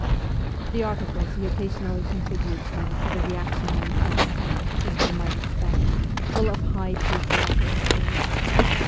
The articles he occasionally contributes now to the reactionary press are, as one might expect, full of high ' patriotic ' spirit.